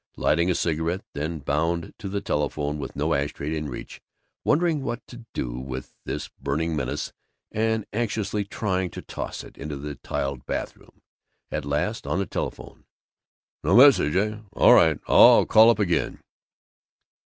Lighting a cigarette; then, bound to the telephone with no ash tray in reach, wondering what to do with this burning menace and anxiously trying to toss it into the tiled bathroom. At last, on the telephone, "No message, eh? All right, I'll call up again."